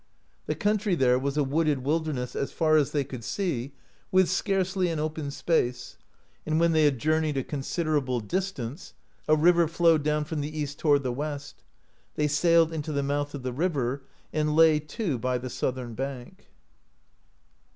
The country there was a wooded wilderness, as far as they could see, with scarcely an open space; and when they had journeyed a considerable dis tance, a river flowed dow^n from the east toward the wtst. They sailed into the mouth of the river, and lay to by the southern bank.